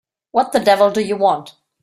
What the devil do you want?